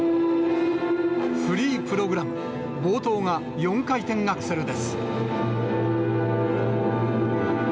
フリープログラム、冒頭が４回転アクセルです。